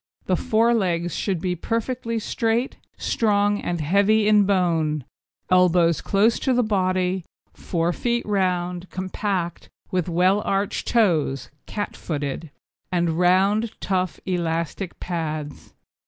The fore legs should be perfectly straight, strong, and heavy in bone; elbows close to the body; fore feet round, compact with well arched toes (cat footed), and round, tough, elastic pads.